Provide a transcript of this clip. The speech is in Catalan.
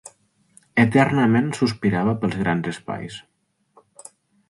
Eternament sospirava pels grans espais